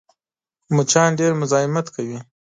مچان ډېر مزاحمت کوي